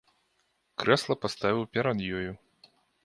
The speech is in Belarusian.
Крэсла паставіў перад ёю.